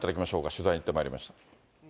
取材に行ってまいりました。